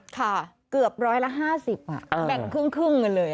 ค่ะเกือบร้อยละ๕๐แบ่งครึ่งกันเลย